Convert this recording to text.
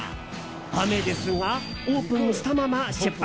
雨ですが、オープンしたまま出発。